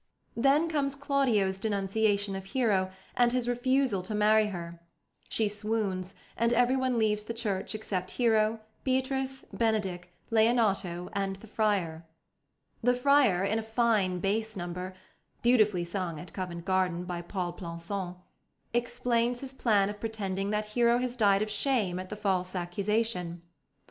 Then comes Claudio's denunciation of Hero and his refusal to marry her; she swoons, and everyone leaves the church except Hero, Beatrice, Benedick, Leonato, and the friar. The friar, in a fine bass number (beautifully sung at Covent Garden by Pol Plançon), explains his plan of pretending that Hero has died of shame at the false accusation.